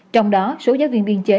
trong đó số giáo viên biên chế